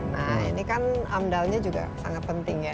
nah ini kan amdalnya juga sangat penting ya